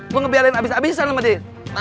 lo ngebelain abis abisan sama dia